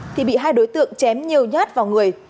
thì bị hai đối tượng chém nhiều nhát vào người